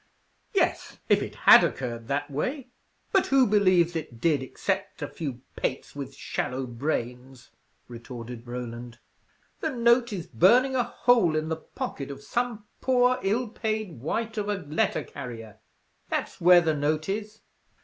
"Yes, if it had occurred that way; but who believes it did, except a few pates with shallow brains?" retorted Roland. "The note is burning a hole in the pocket of some poor, ill paid wight of a letter carrier; that's where the note is.